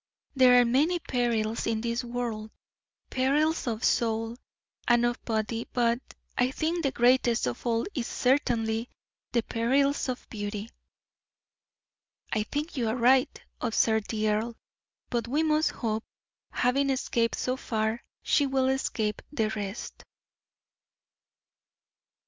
"There are many perils in this world perils of soul and of body but I think the greatest of all is certainly the perils of beauty." "I think you are right," observed the earl; "but we must hope, having escaped so far, she will escape the rest."